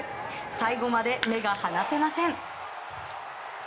最後まで目が離せません！